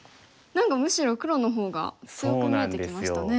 何かむしろ黒の方が強く見えてきましたね。